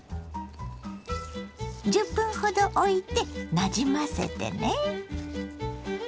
１０分ほどおいてなじませてね。